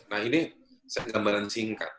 nah ini gambaran singkat